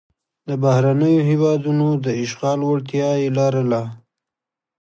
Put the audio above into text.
د بهرنیو هېوادونو د اشغال وړتیا یې لرله.